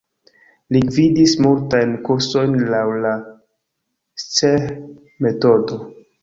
Li gvidis multajn kursojn laŭ la Cseh-metodo.